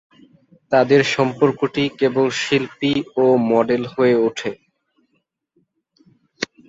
তাদের সম্পর্কটি কেবল শিল্পী এবং মডেল হয়ে ওঠে।